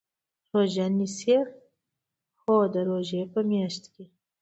روژه نیسئ؟ هو، د روژی په میاشت کې